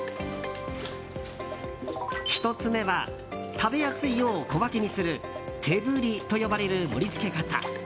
１つ目は食べやすいよう小分けにする手振りと呼ばれる盛り付け方。